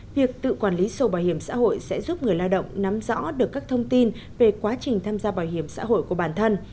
việc tự quản lý sổ bảo hiểm xã hội sẽ giúp người lao động nắm rõ được các thông tin về quá trình tham gia bảo hiểm xã hội của bản thân